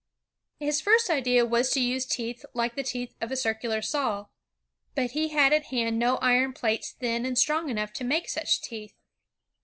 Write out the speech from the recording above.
His first idea was to use teeth like the teeth of a circular saw. But he had at hand no iron plates thin and strong enough to make such teeth.